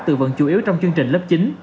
từ vận chủ yếu trong chương trình lớp chín